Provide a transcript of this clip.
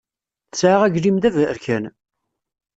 Tesɛa aglim d aberkan.